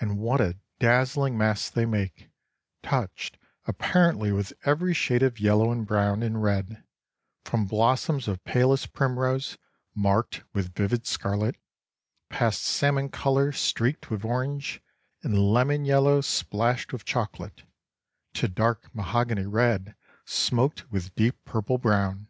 And what a dazzling mass they make, touched apparently with every shade of yellow and brown and red, from blossoms of palest primrose marked with vivid scarlet, past salmon colour streaked with orange, and lemon yellow splashed with chocolate, to dark mahogany red smoked with deep purple brown.